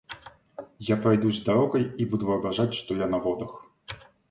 Я пройдусь дорогой и буду воображать, что я на водах.